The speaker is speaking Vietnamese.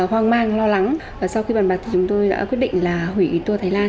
khá nhiều du khách đã gọi đến hủy tour đi thái lan